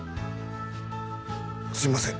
すいません